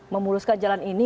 memuluskan jalan ini